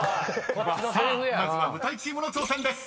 ［さあまずは舞台チームの挑戦です。